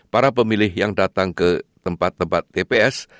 para pemilih yang datang ke tempat tempat tps